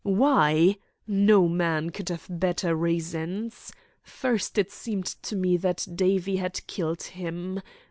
"Why? No man could have better reasons. First, it seemed to me that Davie had killed him.